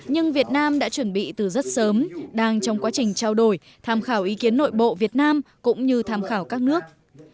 nhưng việt nam đã chuẩn bị từ rất sớm đang trong quá trình trao đổi tham khảo ý kiến nội bộ việt nam cũng như tham khảo các nước